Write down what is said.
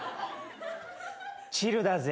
チルだぜ。